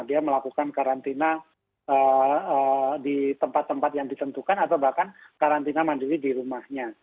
dia melakukan karantina di tempat tempat yang ditentukan atau bahkan karantina mandiri di rumahnya